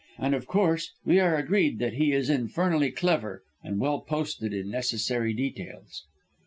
And, of course, we are agreed that he is infernally clever, and well posted in necessary details."